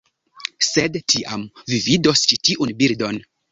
Sed tiam, vi vidos ĉi tiun bildon.